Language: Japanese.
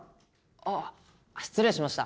あっ失礼しました。